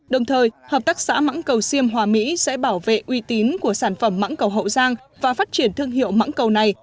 đồng thời hợp tác xã mắng cầu xiêm hòa mỹ sẽ bảo vệ uy tín của sản phẩm mắng cầu hậu giang và phát triển thương hiệu mắng cầu này